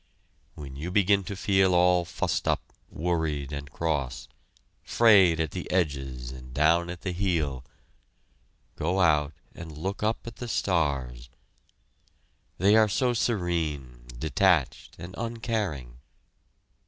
When you begin to feel all fussed up, worried, and cross, frayed at the edges, and down at the heel go out and look up at the stars. They are so serene, detached, and uncaring!